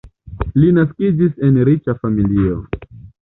Li naskiĝis en riĉa familio.